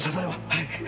はい。